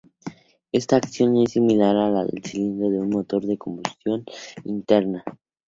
Esta acción es similar a la del cilindro de un motor de combustión interna.